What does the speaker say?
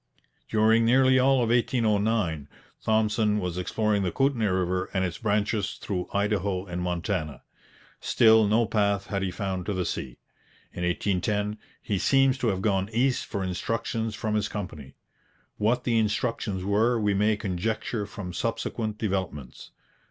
During nearly all of 1809 Thompson was exploring the Kootenay river and its branches through Idaho and Montana. Still no path had he found to the sea. In 1810 he seems to have gone east for instructions from his company. What the instructions were we may conjecture from subsequent developments.